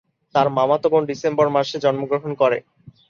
তার মামাতো বোন ডিসেম্বর মাসে জন্মগ্রহণ করে।